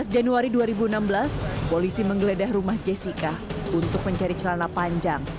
dua belas januari dua ribu enam belas polisi menggeledah rumah jessica untuk mencari celana panjang